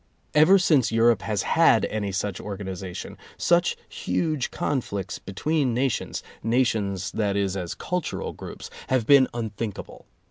Ever since Europe has had any such organization, such huge conflicts between nations — nations, that is, as cultural groups — have been unthinkable.